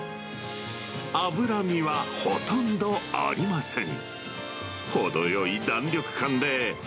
脂身はほとんどありません。